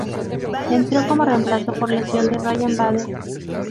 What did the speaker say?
Entró como reemplazo por lesión de Ryan Bader.